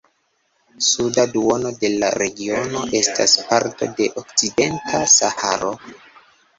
Suda duono de la regiono estas parto de Okcidenta Saharo.